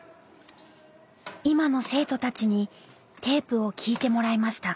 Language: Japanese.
今の生徒たちにテープを聞いてもらいました。